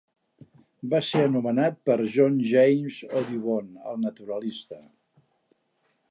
Va ser anomenat per John James Audubon, el naturalista.